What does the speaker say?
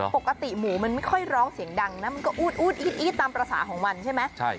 ปกติหมูมันไม่ค่อยร้องเสียงดังนะมันก็อู๊ดอี๊ดตามภาษาของมันใช่ไหม